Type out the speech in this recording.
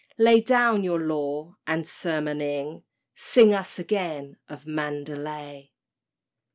Lay down your law and sermoning— Sing us again of Mandalay!